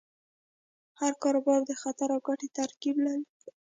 هر کاروبار د خطر او ګټې ترکیب لري.